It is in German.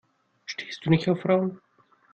Stehst du nicht auf Frauen?